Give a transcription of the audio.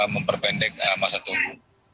memperpendek masa tunggu